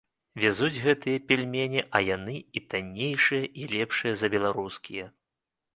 Вязуць гэтыя пельмені, а яны і таннейшыя, і лепшыя за беларускія!